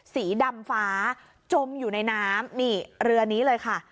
สีดำฟ้าจมอยู่ในน้ำนี่เรือนี้เลยค่ะ